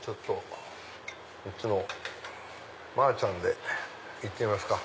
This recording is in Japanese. こっちのマーちゃんで行ってみますか。